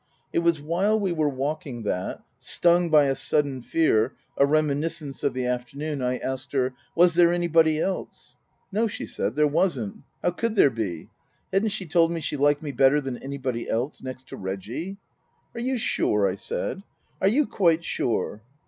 It was while we were walking that stung by a sudden fear, a reminiscence of the afternoon I asked her : Was there anybody else ? No, she said, there wasn't. How could there be ? Hadn't she told me she liked me better than anybody else, next to Reggie ?" Are you sure ?" I said. " Are you quite sure